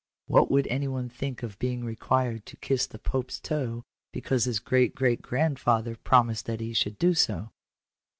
What would any one think of being required to kiss the Pope's toe, because his great great great grandfather promised that he should do so